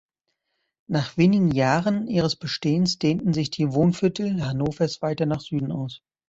Nach wenigen Jahren ihres Bestehens dehnten sich die Wohnviertel Hannovers weiter nach Süden aus.